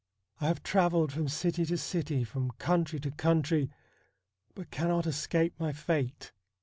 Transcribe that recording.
I have travelled from city to city, from country to country, but cannot escape my fate.